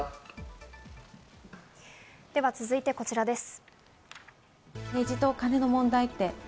続いてこちらです。